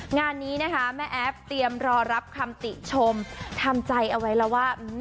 งานนี้นะคะแม่แอฟเตรียมรอรับคำติชมทำใจเอาไว้แล้วว่า